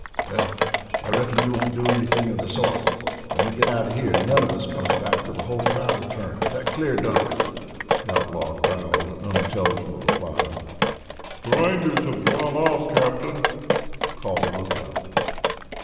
"Well, I reckon you won't do anything of the sort. When we go out of here, none of us comes back till the whole crowd returns. Is that clear, Dunk?" The outlaw growled an unintelligible reply. "The Rangers have drawn off, Captain," called the lookout.